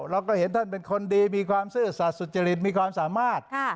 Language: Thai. เราก็เห็นท่านเป็นคนดีมีความซื่อสัตว์สุจริตมีความสามารถ